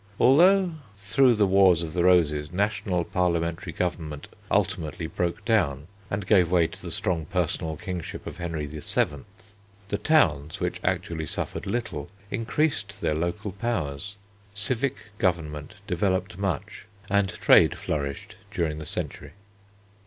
Although through the Wars of the Roses national parliamentary government ultimately broke down and gave way to the strong personal kingship of Henry VII., the towns, which actually suffered little, increased their local powers. Civic government developed much and trade flourished during the century.